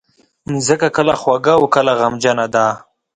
مځکه کله خوږه او کله غمجنه ده.